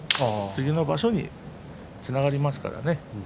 次の場所につながりますからね。